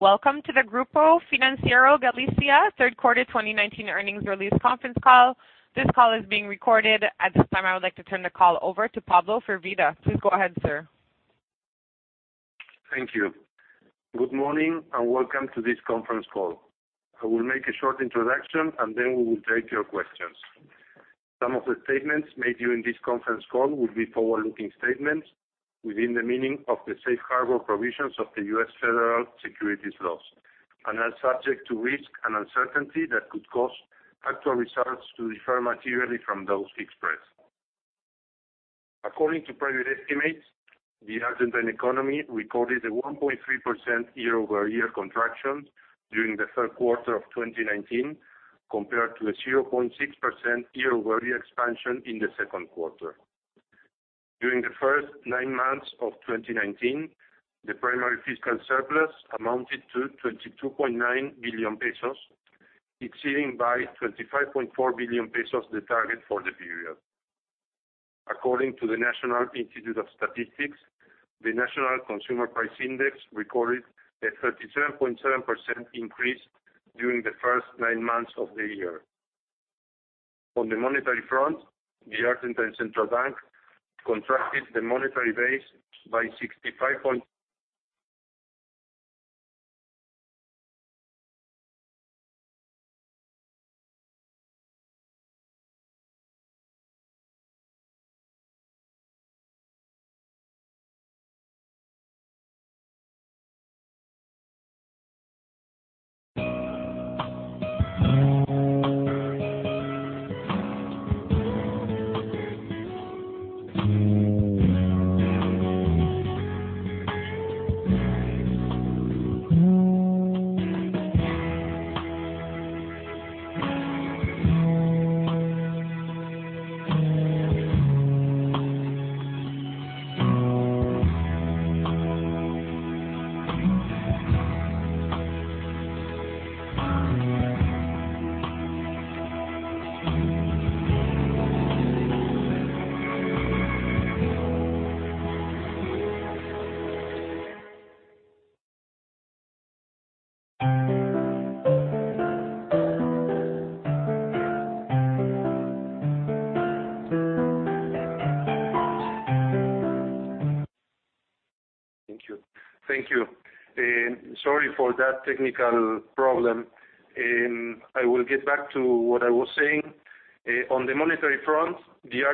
Welcome to the Grupo Financiero Galicia third quarter 2019 earnings release conference call. This call is being recorded. At this time, I would like to turn the call over to Pablo Firvida. Please go ahead, sir. Thank you. Good morning, and welcome to this conference call. I will make a short introduction, and then we will take your questions. Some of the statements made during this conference call will be forward-looking statements within the meaning of the safe harbor provisions of the U.S. federal securities laws and are subject to risk and uncertainty that could cause actual results to differ materially from those expressed. According to private estimates, the Argentine economy recorded a 1.3% year-over-year contraction during the third quarter of 2019, compared to a 0.6% year-over-year expansion in the second quarter. During the first nine months of 2019, the primary fiscal surplus amounted to 22.9 billion pesos, exceeding by 25.4 billion pesos the target for the period. According to the National Institute of Statistics, the national consumer price index recorded a 37.7% increase during the first nine months of the year. On the monetary front, the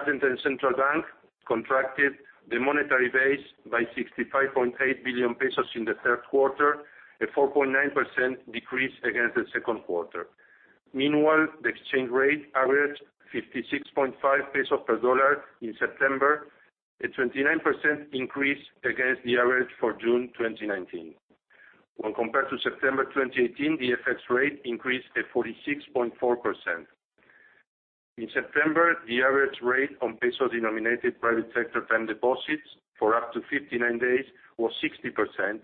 Argentine Central Bank contracted the monetary base by 65.8 billion pesos in the third quarter, a 4.9% decrease against the second quarter. Meanwhile, the exchange rate averaged 56.5 pesos per dollar in September, a 29% increase against the average for June 2019. When compared to September 2018, the FX rate increased at 46.4%. In September, the average rate on ARS-denominated private sector term deposits for up to 59 days was 60%,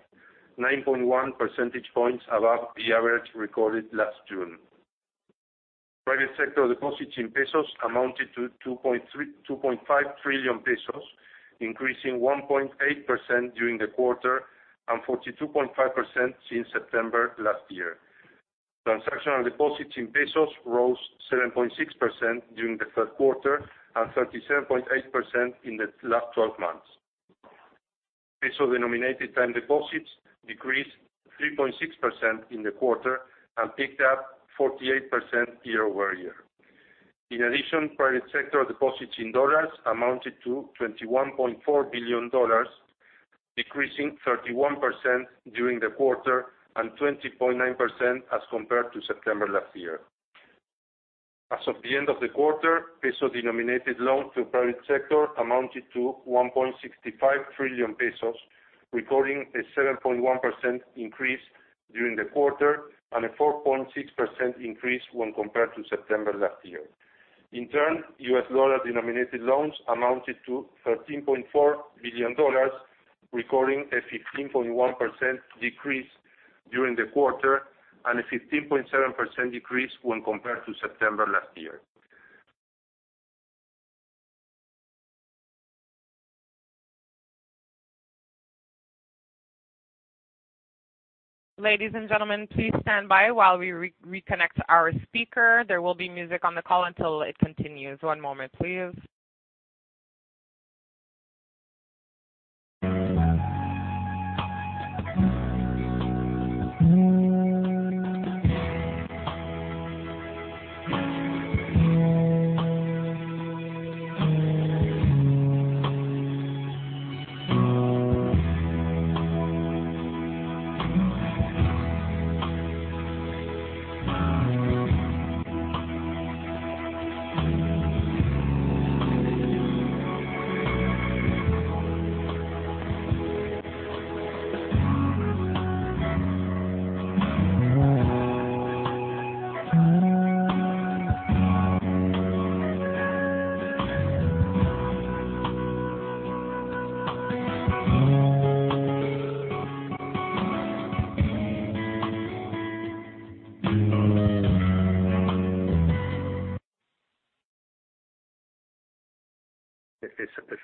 9.1 percentage points above the average recorded last June. Private sector deposits in ARS amounted to 2.5 trillion pesos, increasing 1.8% during the quarter and 42.5% since September last year. Transactional deposits in ARS rose 7.6% during the third quarter and 37.8% in the last 12 months. ARS-denominated term deposits decreased 3.6% in the quarter and picked up 48% year-over-year. Private sector deposits in dollars amounted to $21.4 billion, decreasing 31% during the quarter and 20.9% as compared to September last year. As of the end of the quarter, peso-denominated loans to the private sector amounted to 1.65 trillion pesos, recording a 7.1% increase during the quarter and a 4.6% increase when compared to September last year. U.S. Dollar-denominated loans amounted to $13.4 billion, recording a 15.1% decrease during the quarter and a 15.7% decrease when compared to September last year. Ladies and gentlemen, please stand by while we reconnect our speaker. There will be music on the call until it continues. One moment please.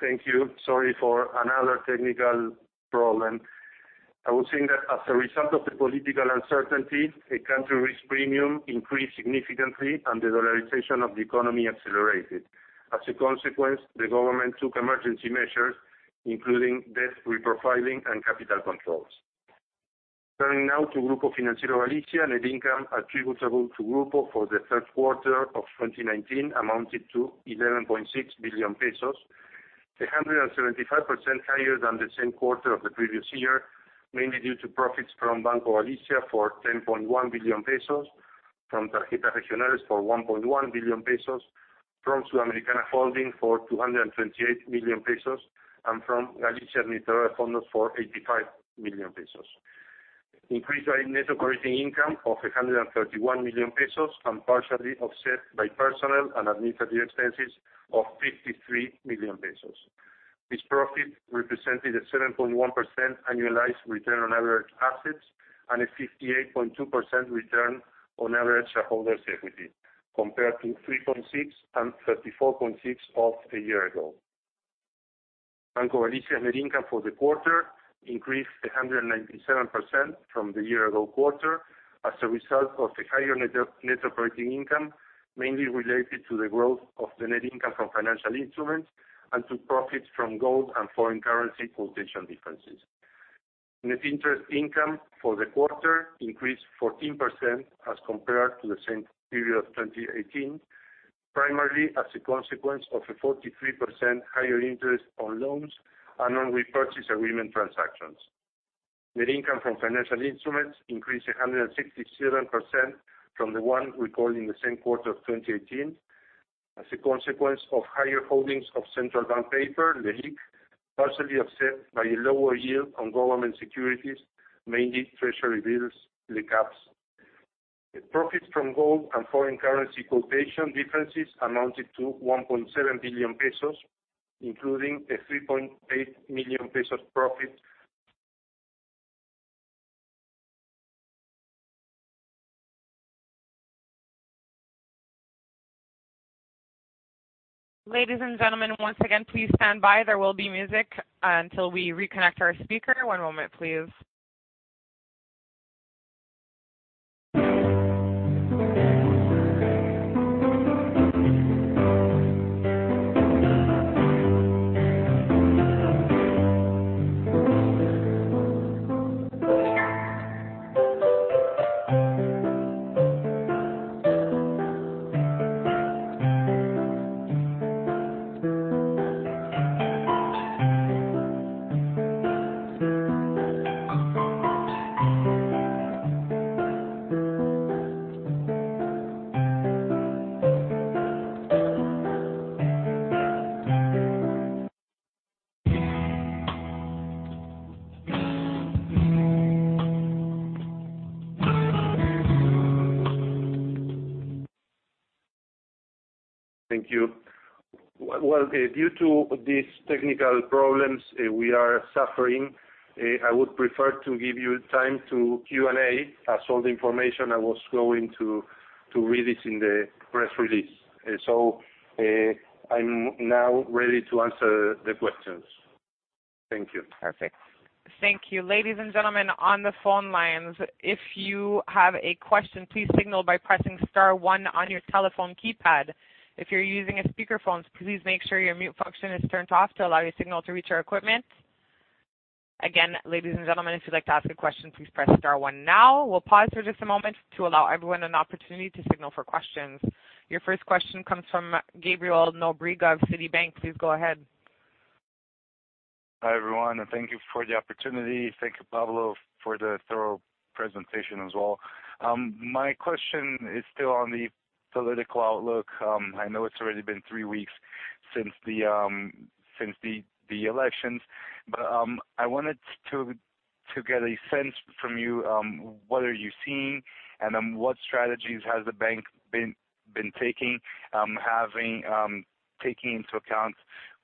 Thank you. Sorry for another technical problem. I was saying that as a result of the political uncertainty, the country risk premium increased significantly, and the dollarization of the economy accelerated. As a consequence, the government took emergency measures, including debt reprofiling and capital controls. Turning now to Grupo Financiero Galicia. Net income attributable to Grupo for the third quarter of 2019 amounted to 11.6 billion pesos, 175% higher than the same quarter of the previous year, mainly due to profits from Banco Galicia for 10.1 billion pesos, from Tarjetas Regionales for 1.1 billion pesos, from Sudamericana Holdings for 228 million pesos, and from Galicia Administradora de Fondos for 85 million pesos. Increased net operating income of 131 million pesos, partially offset by personnel and administrative expenses of 53 million pesos. This profit represented a 7.1% annualized return on average assets, and a 58.2% return on average shareholders' equity, compared to 3.6% and 34.6% of a year ago. Banco Galicia net income for the quarter increased 197% from the year ago quarter as a result of the higher net operating income, mainly related to the growth of the net income from financial instruments and to profits from gold and foreign currency quotation differences. Net interest income for the quarter increased 14% as compared to the same period of 2018, primarily as a consequence of a 43% higher interest on loans and on repurchase agreement transactions. Net income from financial instruments increased 167% from the one recorded in the same quarter of 2018 as a consequence of higher holdings of central bank paper, LELIQ, partially offset by a lower yield on government securities, mainly Treasury bills, LECAPs. The profits from gold and foreign currency quotation differences amounted to 1.7 billion pesos, including a 3.8 million pesos profit. Ladies and gentlemen, once again, please stand by. There will be music until we reconnect our speaker. One moment, please. Thank you. Well, due to these technical problems we are suffering, I would prefer to give you time to Q&A, as all the information I was going to read is in the press release. I'm now ready to answer the questions. Thank you. Perfect. Thank you. Ladies and gentlemen on the phone lines, if you have a question, please signal by pressing star one on your telephone keypad. If you're using a speakerphone, please make sure your mute function is turned off to allow your signal to reach our equipment. Again, ladies and gentlemen, if you'd like to ask a question, please press star one now. We'll pause for just a moment to allow everyone an opportunity to signal for questions. Your first question comes from Gabriel da Nóbrega of Citibank. Please go ahead. Hi, everyone, and thank you for the opportunity. Thank you, Pablo, for the thorough presentation as well. My question is still on the political outlook. I know it's already been three weeks since the elections, but I wanted to get a sense from you, what are you seeing? What strategies has the bank been taking, having taken into account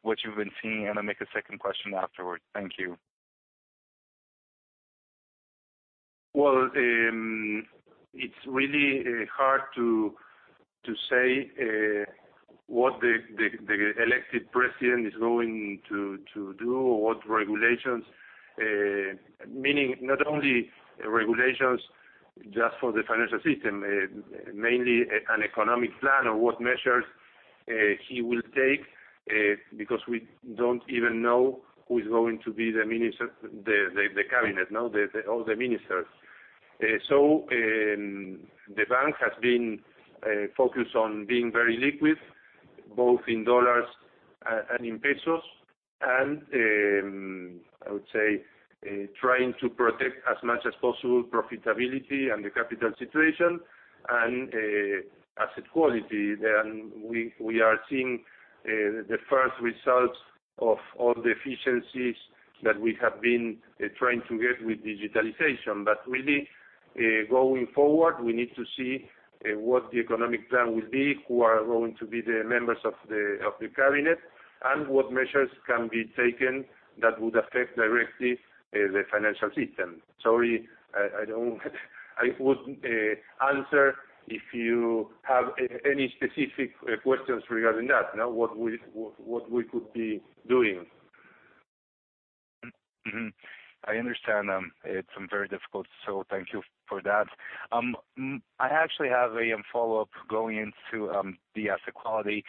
what you've been seeing? I'll make a second question afterward. Thank you. It's really hard to say what the elected president is going to do or what regulations, meaning not only regulations just for the financial system, mainly an economic plan or what measures he will take, because we don't even know who is going to be the cabinet, all the ministers. The bank has been focused on being very liquid, both in dollars and in pesos. I would say, trying to protect as much as possible profitability and the capital situation and asset quality. We are seeing the first results of all the efficiencies that we have been trying to get with digitalization. Really, going forward, we need to see what the economic plan will be, who are going to be the members of the cabinet, and what measures can be taken that would affect directly the financial system. Sorry, I wouldn't answer if you have any specific questions regarding that, what we could be doing. Mm-hmm. I understand it's very difficult, so thank you for that. I actually have a follow-up going into the asset quality.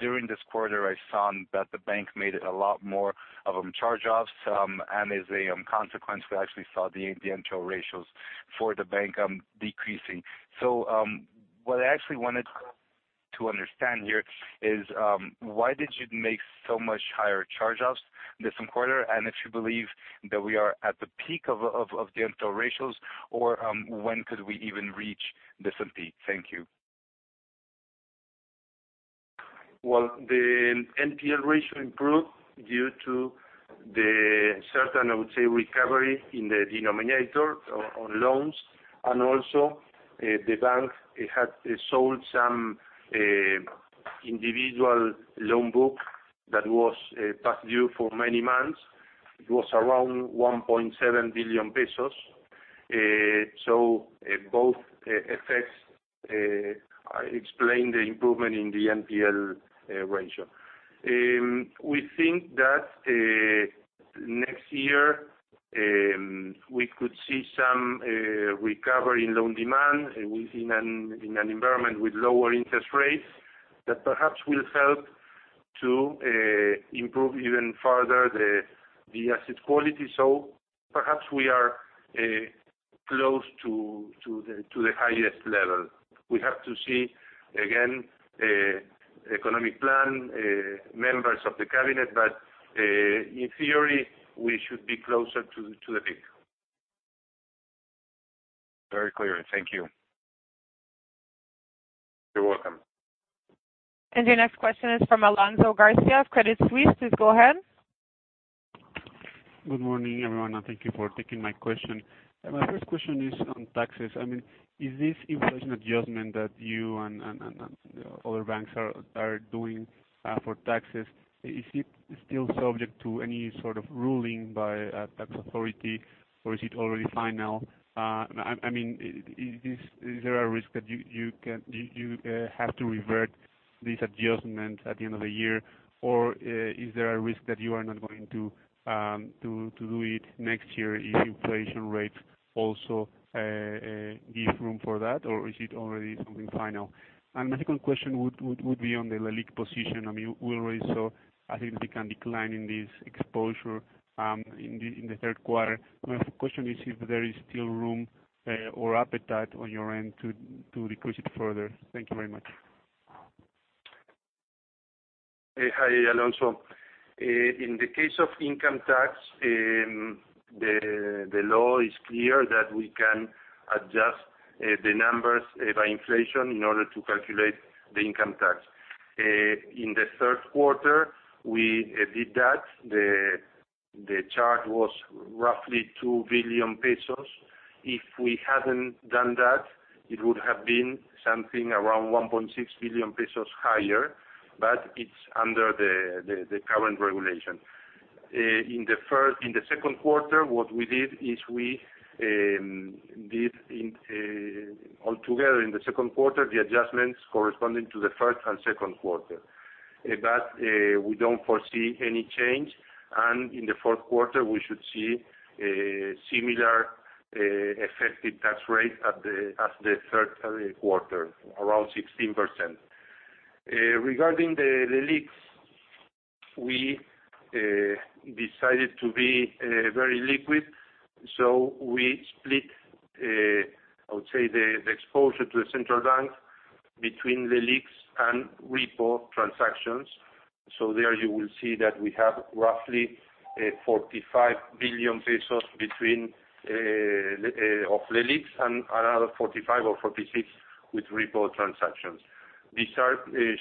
During this quarter, I saw that the bank made a lot more of charge-offs, and as a consequence, we actually saw the NPL ratios for the bank decreasing. What I actually wanted to understand here is why did you make so much higher charge-offs this quarter, and if you believe that we are at the peak of the NPL ratios, or when could we even reach this peak? Thank you. Well, the NPL ratio improved due to the certain, I would say, recovery in the denominator on loans. Also, the bank had sold some individual loan book that was past due for many months. It was around 1.7 billion pesos. Both effects explain the improvement in the NPL ratio. We think that next year, we could see some recovery in loan demand in an environment with lower interest rates that perhaps will help to improve even further the asset quality. Perhaps we are close to the highest level. We have to see, again, economic plan, members of the cabinet, in theory, we should be closer to the peak. Very clear. Thank you. You're welcome. Your next question is from Alonso Garcia of Credit Suisse. Please go ahead. Good morning, everyone, and thank you for taking my question. My first question is on taxes. Is this inflation adjustment that you and other banks are doing for taxes, is it still subject to any sort of ruling by a tax authority, or is it already final? Is there a risk that you have to revert this adjustment at the end of the year, or is there a risk that you are not going to do it next year if inflation rates also give room for that, or is it already something final? My second question would be on the Leliq position. We already saw a significant decline in this exposure in the third quarter. My question is if there is still room or appetite on your end to decrease it further. Thank you very much. Hi, Alonso. In the case of income tax, the law is clear that we can adjust the numbers by inflation in order to calculate the income tax. In the third quarter, we did that. The charge was roughly 2 billion pesos. If we hadn't done that, it would have been something around 1.6 billion pesos higher, but it's under the current regulation. In the second quarter, what we did is we did altogether in the second quarter, the adjustments corresponding to the first and second quarter. We don't foresee any change, and in the fourth quarter, we should see a similar effective tax rate as the third quarter, around 16%. Regarding the LELIQ, we decided to be very liquid. We split, I would say, the exposure to the central bank between LELIQ and repo transactions. There you will see that we have roughly 45 billion pesos of LELIQs and another 45 or 46 with repo transactions. These are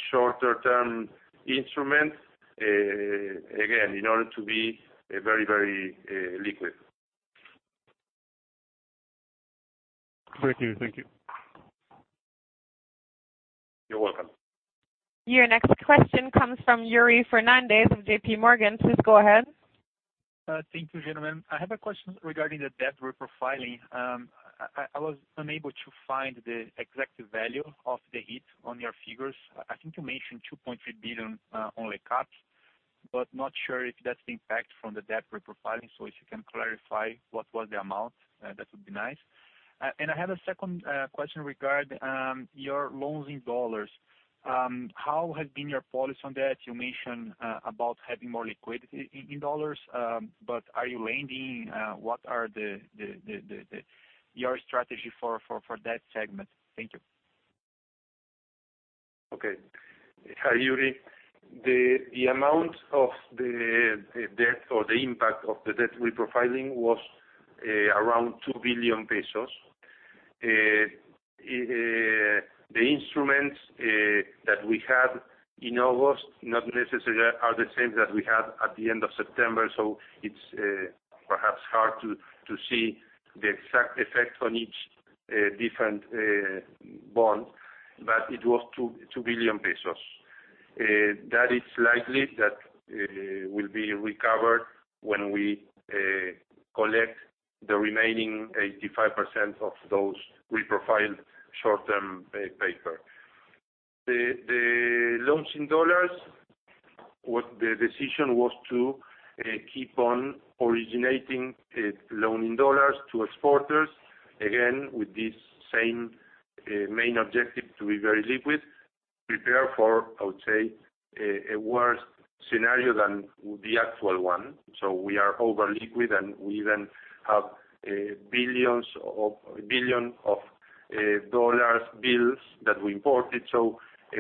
shorter-term instruments, again, in order to be very liquid. Great. Thank you. You're welcome. Your next question comes from Yuri Fernandes of JPMorgan. Please go ahead. Thank you, gentlemen. I have a question regarding the debt reprofiling. I was unable to find the executive value of the hit on your figures. I think you mentioned 2.3 billion on the cap, not sure if that's the impact from the debt reprofiling. If you can clarify what was the amount, that would be nice. I have a second question regarding your loans in dollars. How has been your policy on that? You mentioned about having more liquidity in dollars, are you lending? What is your strategy for that segment? Thank you. Hi, Yuri. The amount of the debt or the impact of the debt reprofiling was around 2 billion pesos. The instruments that we had in August not necessarily are the same that we had at the end of September, it's perhaps hard to see the exact effect on each different bond, but it was 2 billion pesos. That is likely that will be recovered when we collect the remaining 85% of those reprofiled short-term paper. The loans in dollars, the decision was to keep on originating a loan in dollars to exporters, again, with this same main objective, to be very liquid, prepare for, I would say, a worse scenario than the actual one. We are over-liquid, and we even have billions of dollar bills that we imported.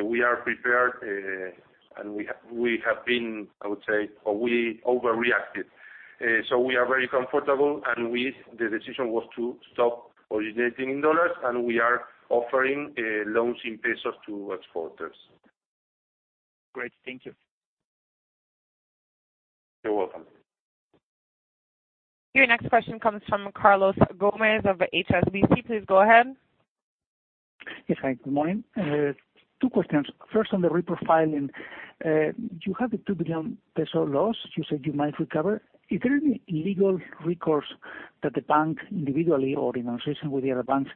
We are prepared, and we overreacted. We are very comfortable. The decision was to stop originating in dollars, and we are offering loans in pesos to exporters. Great. Thank you. You're welcome. Your next question comes from Carlos Gomez of HSBC. Please go ahead. Yes, hi. Good morning. Two questions. First, on the reprofiling, you have an 2 billion peso loss you said you might recover. Is there any legal recourse that the bank individually or in association with the other banks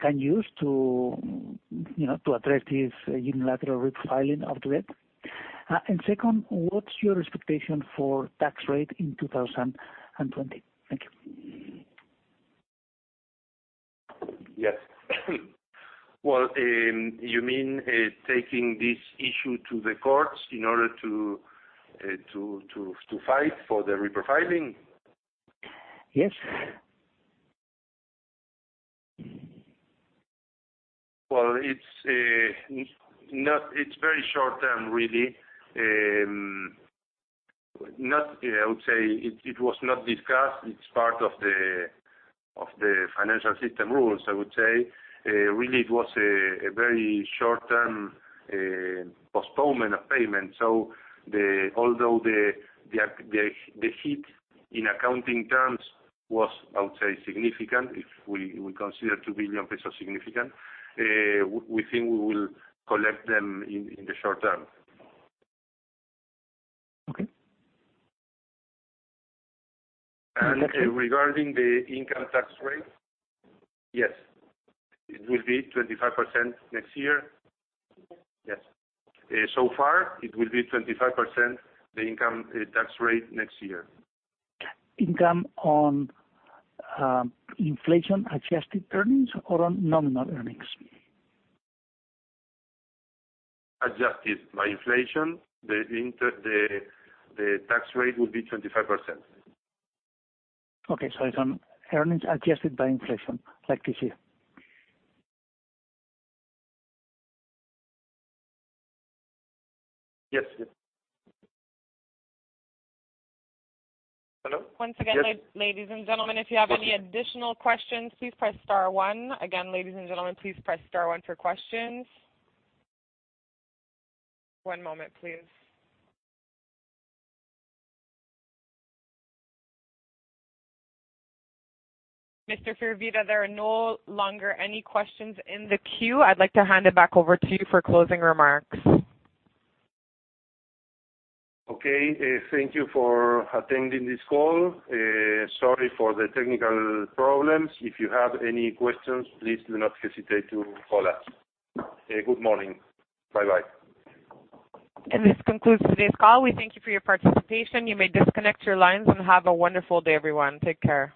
can use to address this unilateral reprofiling of debt? Second, what's your expectation for tax rate in 2020? Thank you. Yes. Well, you mean taking this issue to the courts in order to fight for the reprofiling? Yes. Well, it's very short-term, really. I would say it was not discussed. It's part of the financial system rules, I would say. Really, it was a very short-term postponement of payment. Although the hit in accounting terms was, I would say, significant, if we consider 2 billion pesos significant, we think we will collect them in the short term. Okay. Regarding the income tax rate, yes, it will be 25% next year. Yes. So far, it will be 25%, the income tax rate next year. Income on inflation-adjusted earnings or on nominal earnings? Adjusted by inflation, the tax rate will be 25%. Okay. It's on earnings adjusted by inflation, like this year. Yes. Hello? Once again, ladies and gentlemen, if you have any additional questions, please press star one. Again, ladies and gentlemen, please press star one for questions. One moment, please. Mr. Firvida, there are no longer any questions in the queue. I'd like to hand it back over to you for closing remarks. Okay. Thank you for attending this call. Sorry for the technical problems. If you have any questions, please do not hesitate to call us. Good morning. Bye-bye. This concludes today's call. We thank you for your participation. You may disconnect your lines, and have a wonderful day, everyone. Take care.